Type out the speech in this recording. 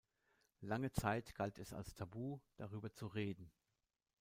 Lange Zeit galt es als tabu, darüber zu reden.